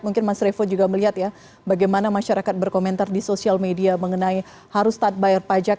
mungkin mas revo juga melihat ya bagaimana masyarakat berkomentar di sosial media mengenai harus tak bayar pajak